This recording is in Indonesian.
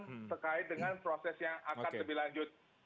terkait dengan proses yang akan lebih lanjut